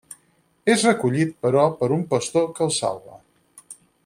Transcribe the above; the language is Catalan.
És recollit, però, per un pastor, que el salva.